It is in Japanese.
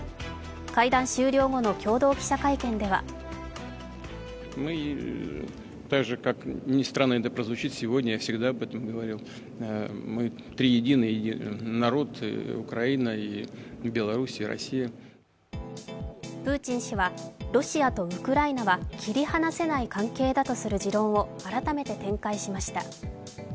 会談終了後の共同記者会見ではプーチン氏はロシアとウクライナは切り離せない関係だとする持論を改めて展開しました。